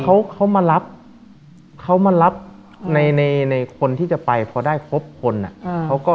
เขาเหมือนก็ว่าเขามารับในคนที่จะไปพอได้ครบคนอะ